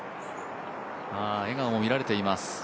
笑顔も見られています。